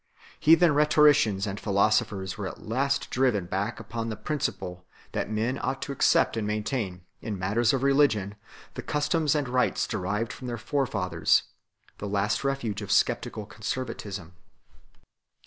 Heathen rhetoricians and philosophers were at last driven back upon the principle that men ought to accept and maintain, in matters of religion, the customs and rites derived from their forefathers the last refuge of sceptical conservatism.